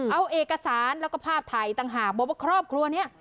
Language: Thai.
เอาเอกสารแล้วก็ภาพถ่ายต่างหากบอกว่าครอบครัวนี้